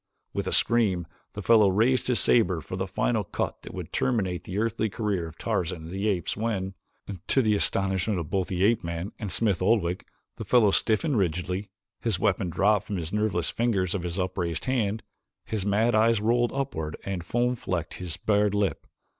With a scream the fellow raised his saber for the final cut that would terminate the earthly career of Tarzan of the Apes when, to the astonishment of both the ape man and Smith Oldwick, the fellow stiffened rigidly, his weapon dropped from the nerveless fingers of his upraised hand, his mad eyes rolled upward and foam flecked his bared lip.